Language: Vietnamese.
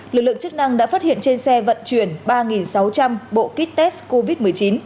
lực lượng chức năng đã phát hiện trên xe vận chuyển ba sáu trăm linh bộ kit test covid một mươi chín